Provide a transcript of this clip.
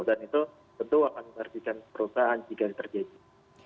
dan itu tentu akan menghargikan perusahaan jika terjadi